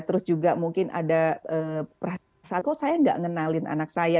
terus juga mungkin ada perasaan kok saya nggak ngenalin anak saya